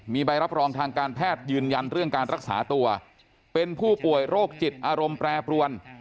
มีใบรับรองทางการแพทย์ยืนยันเรื่องการรักษาตัวเป็นผู้ป่วยโรคจิตอารมณ์แปรปรวน